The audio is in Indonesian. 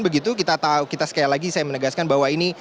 begitu kita tahu kita sekali lagi saya menegaskan bahwa ini